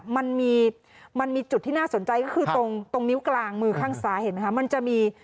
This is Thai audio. มันมีจุดที่น่าสนใจก็คือตรงนิ้วกลางมือข้างซ้ายเห็นไหมคะ